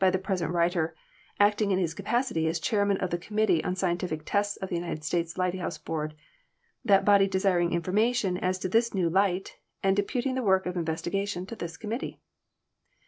the present writer, acting in his capacity as Chairman of the Committee on Scientific Tests of the United States Lighthouse Board, that body desiring information as to this new light, and deputing the work of investigation to this committee.